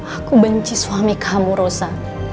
aku benci suami kamu rosa